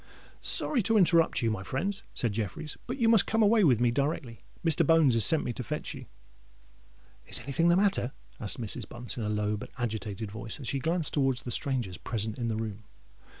"Sorry to interrupt you, my friends," said Jeffreys; "but you must come away with me directly. Mr. Bones has sent me to fetch you——" "Is anything the matter?" asked Mrs. Bunce, in a low but agitated voice, as she glanced towards the strangers present in the room.